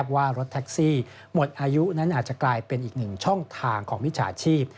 ว่ารถแท็กซี่หมดอายุนั้นอาจจะกลายเป็นอีกหนึ่งช่องทางของมิจฉาชีพ